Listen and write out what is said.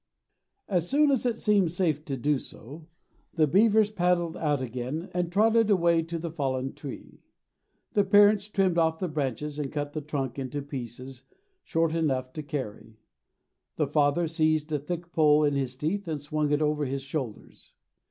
As soon as it seemed safe to do so the beavers paddled out again and trotted away to the fallen tree. The parents trimmed off the branches and cut the trunk into pieces short enough to carry. The father seized a thick pole in his teeth and swung it over his shoulders.